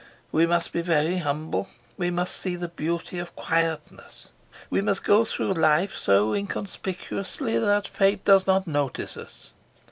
We must be very humble. We must see the beauty of quietness. We must go through life so inconspicuously that Fate does not notice us.